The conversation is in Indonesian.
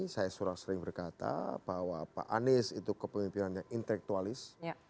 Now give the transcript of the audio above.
saya sering berkata bahwa pak anies itu kepemimpinannya intelektualis